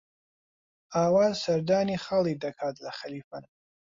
ئاوات سەردانی خاڵی دەکات لە خەلیفان.